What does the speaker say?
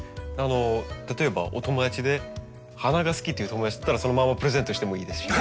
例えばお友達で花が好きっていう友達だったらそのままプレゼントしてもいいですしね。